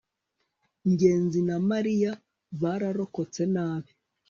ngenzi na mariya bararokotse nabi